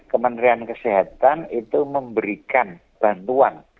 kementerian kesehatan itu memberikan bantuan